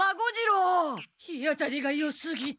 日当たりがよすぎて。